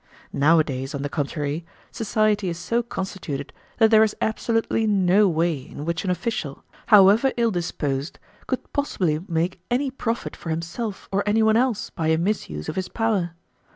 Nowadays, on the contrary, society is so constituted that there is absolutely no way in which an official, however ill disposed, could possibly make any profit for himself or any one else by a misuse of his power.